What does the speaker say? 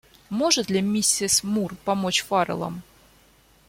Может ли миссис Мур помочь Фаррелам?